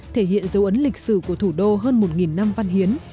thể hiện dấu ấn lịch sử của thủ đô hơn một năm văn hiến